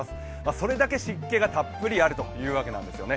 それだけ湿気がたっぷりあるということなんですね。